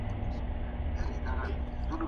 ښايي ملي عاید د تمې خلاف په ډیر لږ وخت کي لوړ سي.